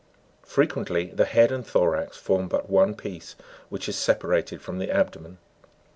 Frequently the head and thorax form but one piece, which is separated from the abdo men.